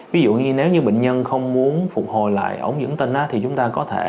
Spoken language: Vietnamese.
ví dụ như nếu như bệnh nhân không muốn phục hồi lại ống dẫn tinh đó thì chúng ta có thể